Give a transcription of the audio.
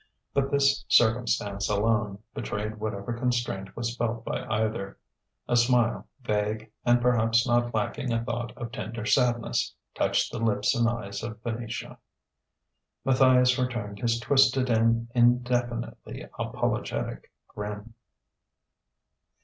But this circumstance alone betrayed whatever constraint was felt by either. A smile, vague and perhaps not lacking a thought of tender sadness, touched the lips and eyes of Venetia. Matthias returned his twisted and indefinitely apologetic grin.